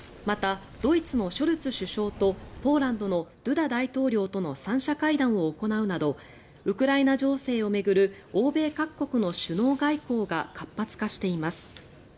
また、ドイツのショルツ首相とポーランドのドゥダ大統領との３者会談を行うなどウクライナ情勢を巡る欧米各国の首脳外交が活発化しています。